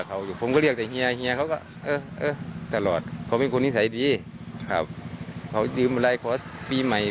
เขาเป็นนิสัยดีครับเขาก็ยืมอะไรเขาปีใหม่